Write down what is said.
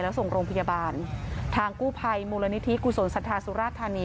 แล้วส่งโรงพยาบาลทางกู้ภัยมูลนิธิกุศลศรัทธาสุราธานี